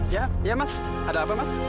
ya iya mas ada apa mas